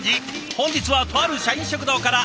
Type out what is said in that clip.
本日はとある社員食堂から。